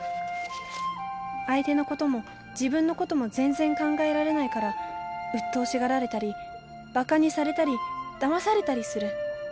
相手のことも自分のことも全然考えられないからうっとうしがられたりバカにされたりだまされたりする。